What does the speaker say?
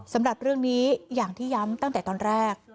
สำหรับเรื่องนี้อย่างที่ย้ำตั้งแต่ตอนแรก